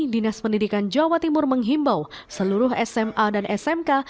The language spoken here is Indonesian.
dinas pendidikan jawa timur menghimbau seluruh sma dan smk